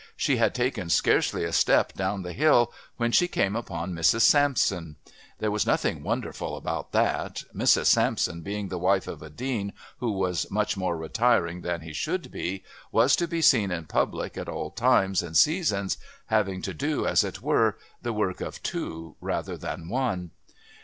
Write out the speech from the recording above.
She had taken scarcely a step down the hill when she came upon Mrs. Sampson. There was nothing wonderful about that; Mrs. Sampson, being the wife of a Dean who was much more retiring than he should be, was to be seen in public at all times and seasons, having to do, as it were, the work of two rather than one.